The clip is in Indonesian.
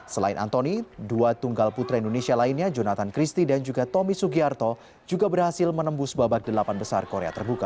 selain antoni dua tunggal putra indonesia lainnya jonathan christie dan juga tommy sugiarto juga berhasil menembus babak delapan besar korea terbuka